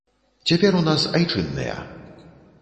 Цяпер у нас айчынныя.